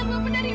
beri ibu saya